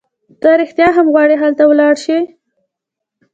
ته رېښتیا هم غواړي هلته ولاړه شې؟